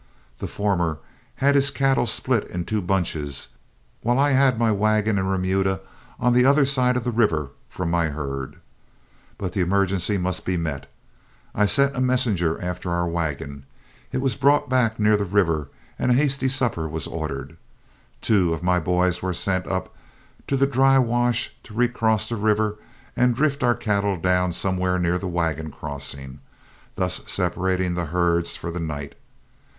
The former had his cattle split in two bunches, while I had my wagon and remuda on the other side of the river from my herd. But the emergency must be met. I sent a messenger after our wagon, it was brought back near the river, and a hasty supper was ordered. Two of my boys were sent up to the dry wash to recross the river and drift our cattle down somewhere near the wagon crossing, thus separating the herds for the night.